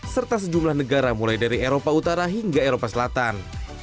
serta sejumlah negara mulai dari eropa utara hingga eropa selatan